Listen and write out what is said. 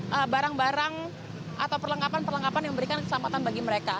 mereka juga harus memiliki perlengkapan perlengkapan yang memberikan kesempatan bagi mereka